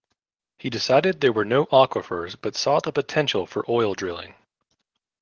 He decided there were no aquifers but saw the potential for oil drilling.